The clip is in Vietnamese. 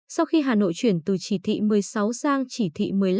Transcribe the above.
sau khi hà nội chuyển từ chỉ thị một mươi sáu sang chỉ thị